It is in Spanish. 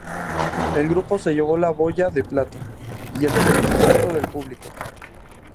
El grupo se llevó la boya de plata y el reconocimiento del público.